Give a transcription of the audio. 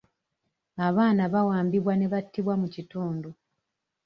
Abaana bawambibwa ne battibwa mu kitundu.